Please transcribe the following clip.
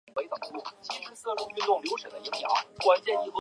曼彻斯特位于辛辛那提与西弗吉尼亚州亨廷顿的中间点。